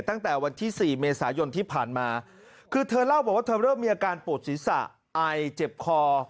ตั้งแต่วันที่๔เมษายนที่ผ่านมาคือเธอเล่าบอกว่าเธอเริ่มมีอาการปวดศีรษะไอเจ็บคอ